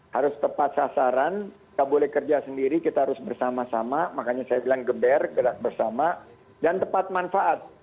harus tepat sasaran nggak boleh kerja sendiri kita harus bersama sama makanya saya bilang geber gerak bersama dan tepat manfaat